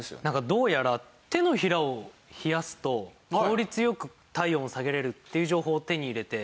どうやら手のひらを冷やすと効率良く体温を下げられるっていう情報を手に入れて。